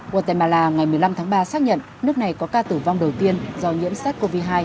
guatemala ngày một mươi năm tháng ba xác nhận nước này có ca tử vong đầu tiên do nhiễm sars cov hai